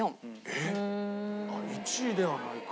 ああ１位ではないか。